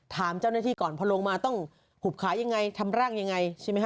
ถามเจ้าหน้าที่ก่อนพอลงมาต้องหุบขายังไงทำร่างยังไงใช่ไหมฮ